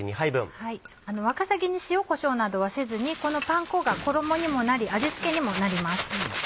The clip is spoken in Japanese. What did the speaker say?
わかさぎに塩こしょうなどはせずにこのパン粉が衣にもなり味付けにもなります。